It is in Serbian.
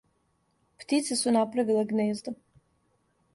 Птице су направиле гнездо.